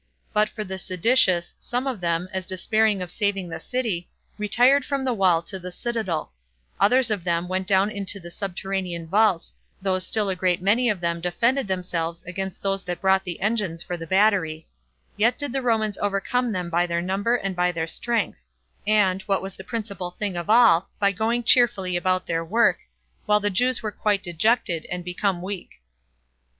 But for the seditious, some of them, as despairing of saving the city, retired from the wall to the citadel; others of them went down into the subterranean vaults, though still a great many of them defended themselves against those that brought the engines for the battery; yet did the Romans overcome them by their number and by their strength; and, what was the principal thing of all, by going cheerfully about their work, while the Jews were quite dejected, and become weak.